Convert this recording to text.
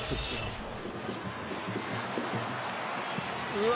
「うわ！」